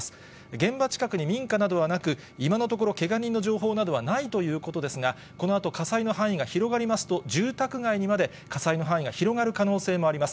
現場近くに民家などはなく、今のところ、けが人の情報などはないということですが、このあと、火災の範囲が広がりますと、住宅街にまで火災の範囲が広がる可能性もあります。